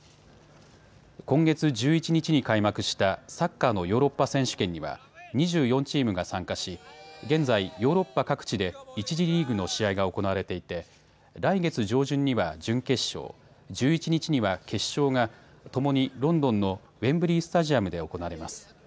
今月１１日に開幕したサッカーのヨーロッパ選手権には２４チームが参加し現在、ヨーロッパ各地で１次リーグの試合が行われていて来月上旬には準決勝、１１日には決勝がともにロンドンのウェンブリースタジアムで行われます。